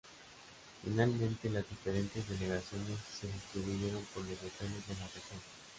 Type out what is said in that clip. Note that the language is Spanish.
Finalmente las diferentes delegaciones se distribuyeron por los hoteles de la región.